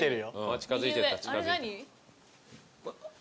近づいてった。